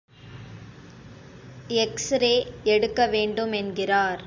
X ray எடுக்க வேண்டுமென்கிறார்.